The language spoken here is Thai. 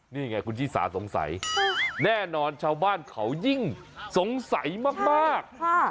นี่ไงคุณชิสาสงสัยแน่นอนชาวบ้านเขายิ่งสงสัยมาก